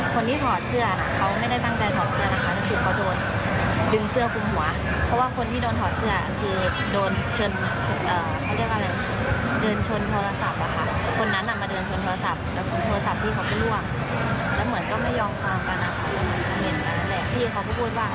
พี่คนที่ถอดเสื้อเขาไม่ได้ตั้งใจถอดเสื้อนะคะก็คือเขาโดนดึงเสื้อคุมหัว